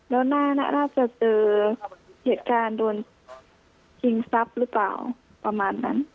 แล้วน่าจะเจอเหตุการณ์โดนชิงทรัพย์หรือเปล่าประมาณนั้น